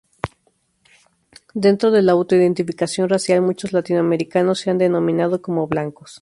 Dentro de la auto-identificación racial, muchos latinoamericanos se han autodenominado como "blancos".